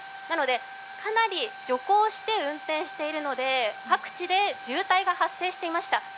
なので、かなり徐行して運転しているので各地で渋滞が発生していました。